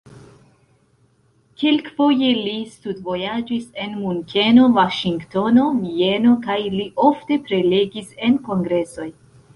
Kelkfoje li studvojaĝis en Munkeno, Vaŝingtonio, Vieno kaj li ofte prelegis en kongresoj.